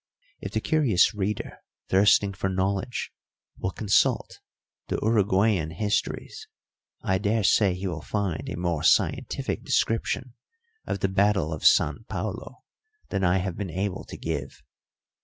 If the curious reader, thirsting for knowledge, will consult the Uruguayan histories, I daresay he will find a more scientific description of the battle of San Paulo than I have been able to give.